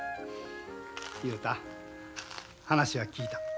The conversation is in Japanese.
雄太話は聞いた。